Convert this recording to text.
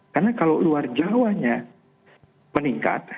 karena kalau luar jawanya meningkat